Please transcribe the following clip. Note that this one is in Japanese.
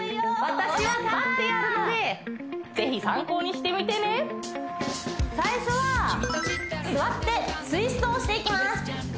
私は立ってやるのでぜひ参考にしてみてね最初は座ってツイストをしていきます